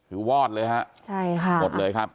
คือวอดเลยครับหมดเลยครับ